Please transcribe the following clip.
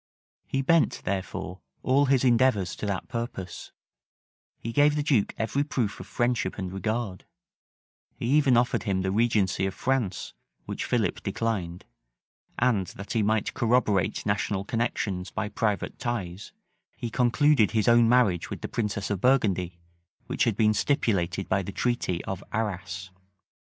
He bent, therefore, all his endeavors to that purpose: he gave the duke every proof of friendship and regard: he even offered him the regency of France, which Philip declined: and that he might corroborate national connections by private ties, he concluded his own marriage with the princess of Burgundy, which had been stipulated by the treaty of Arras.